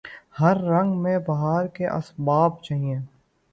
ہر رنگ میں بہار کا اثبات چاہیے